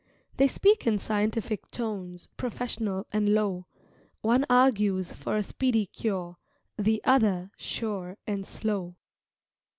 They speak in scientific tones, Professional and low One argues for a speedy cure, The other, sure and slow.